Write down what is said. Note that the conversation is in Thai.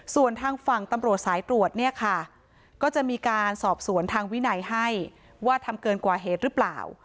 ส่วนทางฝั่งตำรวจสายตรวจเนี่ยค่ะก็จะมีการสอบสวนทางวินัยให้ว่าทำเกินกว่าเหตุหรือเปล่า